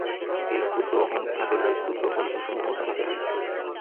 এই ক্ষুদ্র অহং তাঁহাতে নাই, ক্ষুদ্র বন্ধনসমূহ তাঁহাতে নাই।